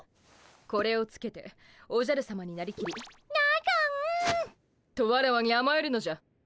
これをつけておじゃるさまになりきり「なごん」とワラワにあまえるのじゃ。